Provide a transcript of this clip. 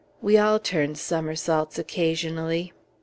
We all turn somersaults occasionally.